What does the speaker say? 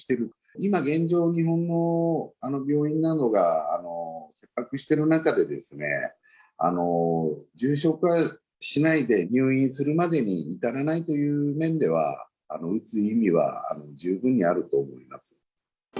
今現状、日本の病院などが切迫している中でですね、重症化しないで、入院するまでに至らないという面では、打つ意味は十分にあると思います。